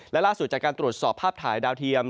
และล่าสุดจากการตรวจสอบภาพถ่ายดาวเทียม